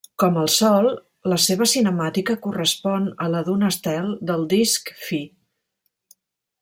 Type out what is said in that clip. Com el Sol, la seva cinemàtica correspon a la d'un estel del disc fi.